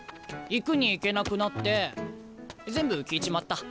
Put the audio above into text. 行くに行けなくなって全部聞いちまった。